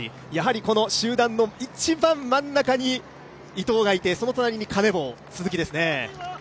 この集団の一番真ん中に伊藤がいてその隣にカネボウの鈴木ですね。